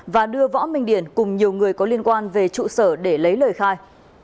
và đưa võ minh điển cùng nhiều người có liên quan về trụ sở để lấy lời khai